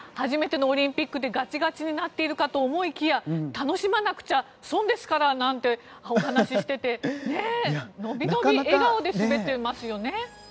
初めてのオリンピックでガチガチになっているかと思いきや楽しまなくちゃ損ですからなんてお話していてのびのび笑顔で滑っていますよね。